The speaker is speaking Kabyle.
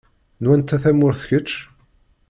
N wanta tamurt kečč?